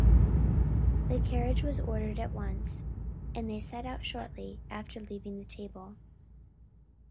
The carriage was ordered at once, and they set out shortly after leaving the table.